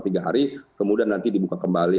tiga hari kemudian nanti dibuka kembali